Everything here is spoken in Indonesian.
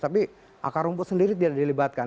tapi akar rumput sendiri tidak dilibatkan